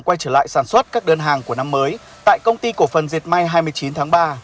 quay trở lại sản xuất các đơn hàng của năm mới tại công ty cổ phần diệt may hai mươi chín tháng ba